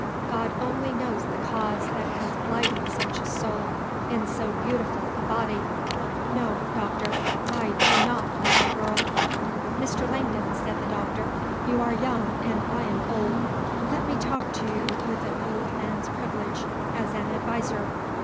God only knows the cause that has blighted such a soul in so beautiful a body! No, Doctor, I do not love the girl." "Mr. Langdon," said the Doctor, "you are young, and I am old. Let me talk to you with an old man's privilege, as an adviser.